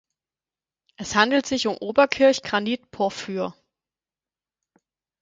Es handelt sich um Oberkirch-Granitporphyr.